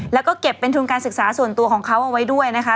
แล้วก็เก็บเป็นทุนการศึกษาส่วนตัวของเขาเอาไว้ด้วยนะคะ